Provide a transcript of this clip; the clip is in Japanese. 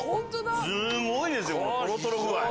すごいですよ。